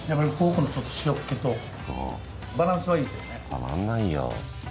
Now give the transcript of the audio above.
たまんないよ。